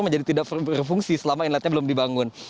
menjadi tidak berfungsi selama inletnya belum dibangun